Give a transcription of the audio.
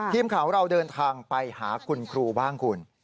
ทีมข่าวของเราเดินทางไปหาคุณครูบ้างคุณ